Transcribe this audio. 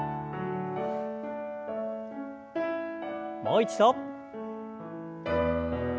もう一度。